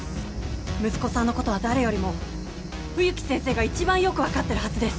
息子さんのことは誰よりも冬木先生が一番よく分かってるはずです